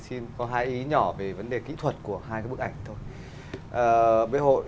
xin có hai ý nhỏ về vấn đề kỹ thuật của hai bức ảnh